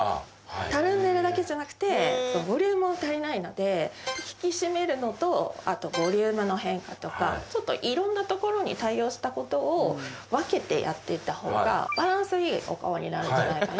たるんでるだけじゃなくてボリュームも足りないので引き締めるのとあとボリュームの変化とかちょっといろんなところに対応したことを分けてやっていった方が。